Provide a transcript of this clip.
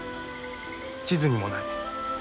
地図にもない。